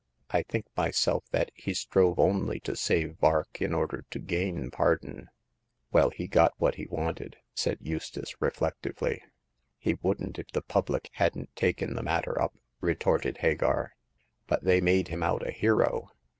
I think myself that he only strove to save Vark in order to gain par don." Well, he got what he wanted, said Eustace, reflectively. " He wouldn't if the public hadn't taken the matter up," retorted Hagar :but they made him out a hero.